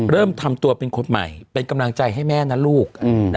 เริ่มทำตัวเป็นคนใหม่เป็นกำลังใจให้แม่นะลูก